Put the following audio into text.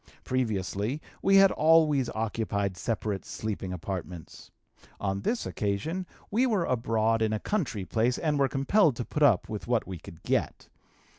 Previously we had always occupied separate sleeping apartments; on this occasion we were abroad in a country place, and were compelled to put up with what we could get.